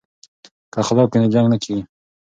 که اخلاق وي نو جنګ نه کیږي.